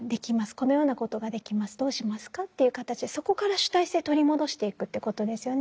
このようなことができますどうしますかっていう形でそこから主体性取り戻していくってことですよね。